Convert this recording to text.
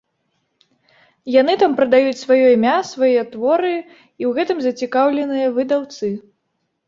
Яны там прадаюць сваё імя, свае творы, і ў гэтым зацікаўленыя выдаўцы.